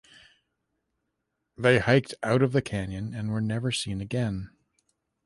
They hiked out of the canyon and were never seen again.